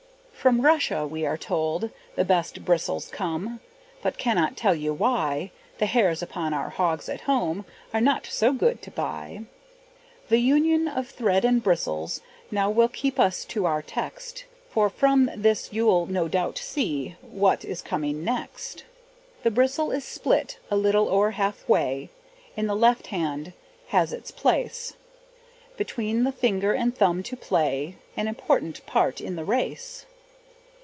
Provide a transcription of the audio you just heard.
From Russia, we are told, the best bristles come, But cannot tell you why, The hairs upon our hogs at home Are not so good to buy. The union of thread and bristle, now, Will keep us to our text, For from this you'll no doubt see What is coming next. The bristle is split a little o'er half way, In the left hand has its place, Between the finger and thumb to play An important part in the race.